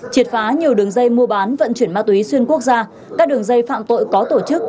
triệt phá nhiều đường dây mua bán vận chuyển ma túy xuyên quốc gia các đường dây phạm tội có tổ chức